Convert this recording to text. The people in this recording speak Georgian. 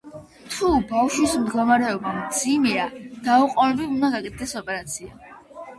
თუ ბავშვის მდგომარეობა მძიმეა, დაუყოვნებლივ უნდა გაკეთდეს ოპერაცია.